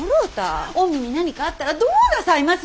御身に何かあったらどうなさいます！